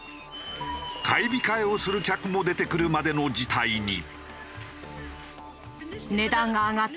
買い控えをする客も出てくるまでの事態に。